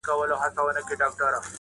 څه ښه وايي « بنده راسه د خدای خپل سه!.